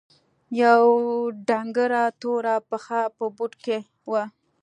يوه ډنګره توره پښه په بوټ کښې وه.